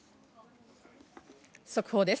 速報です。